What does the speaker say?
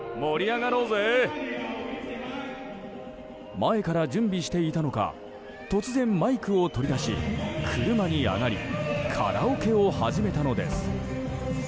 前から準備していたのか突然、マイクを取り出し車に上がりカラオケを始めたのです。